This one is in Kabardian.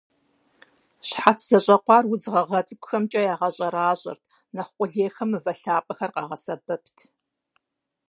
Щхьэц зэщӏэкъуар удз гъэгъа цӀыкӀухэмкӀэ ягъэщӀэращӀэрт, нэхъ къулейхэм мывэ лъапӀэхэр къагъэсэбэпырт.